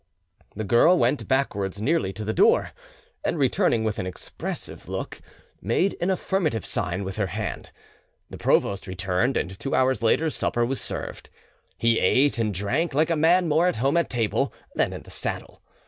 The girl went backwards nearly to the door, and returning with an expressive look, made an affirmative sign with her hand. The provost returned, and two hours later supper was served. He ate and drank like a man more at home at table than in the saddle.